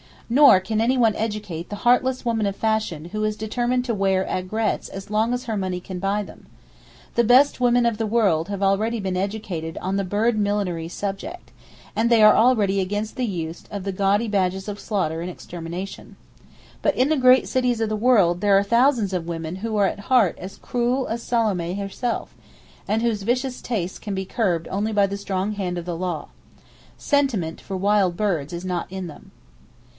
Nor can anyone educate the heartless woman of fashion who is determined to wear aigrettes as long as her money can buy them. The best women of the world have already been educated on the bird millinery subject, and they are already against the use of the gaudy badges of slaughter and extermination. But in the great cities of the world there are thousands of women who are at heart as cruel as Salome herself, and whose vicious tastes can be curbed only by the strong hand of the law. "Sentiment" for wild birds is not in them.